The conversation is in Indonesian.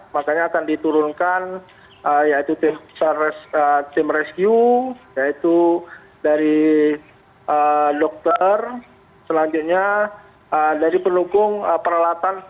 makanya akan diturunkan yaitu tim rescue yaitu dari dokter selanjutnya dari pendukung peralatan